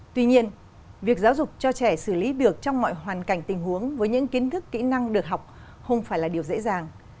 tuy nhiên việc giáo dục cho trẻ xử lý được trong mọi hoàn cảnh tình huống với những kiến thức kỹ năng được học không phải là điều dễ dàng